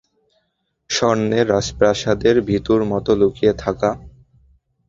স্বর্ণের রাজপ্রাসাদের ভীতুর মতো লুকিয়ে থাকা?